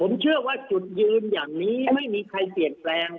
ผมเชื่อว่าจุดยืนอย่างนี้ไม่มีใครเปลี่ยนแปลง